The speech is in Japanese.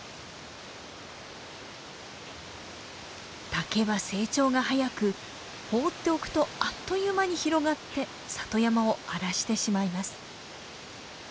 竹は成長が速く放っておくとあっという間に広がって里山を荒らしてしまいます。